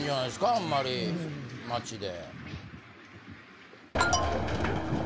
あんまり街で。